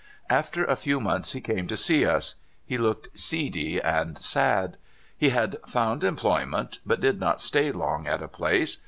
After a few months he came to see us. He looked seedy and sad. He had found employ ment, but did not stay long at a place.